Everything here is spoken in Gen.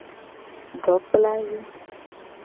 Dokplavi.